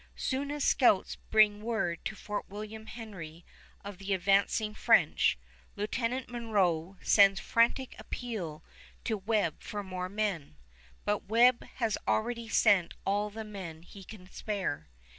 Soon as scouts bring word to Fort William Henry of the advancing French, Lieutenant Monro sends frantic appeal to Webb for more men; but Webb has already sent all the men he can spare.